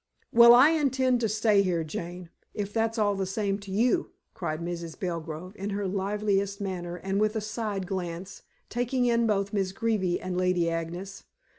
"Well, I intend to stay here, Jane, if it's all the same to you," cried Mrs. Belgrove in her liveliest manner and with a side glance, taking in both Miss Greeby and Lady Agnes.